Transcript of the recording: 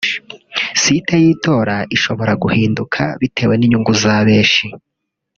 site y’itora ishobora guhinduka bitewe n’inyungu za benshi